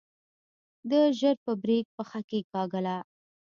ده ژر په بريک پښه کېکاږله.